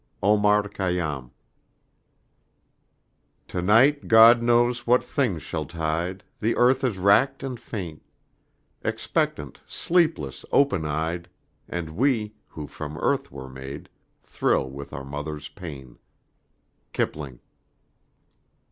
OMAR KHAYYÁM I To night God knows what things shall tide, The Earth is racked and faint Expectant, sleepless, open eyed; And we, who from the Earth were made. Thrill with our Mother's pain. KIPLING.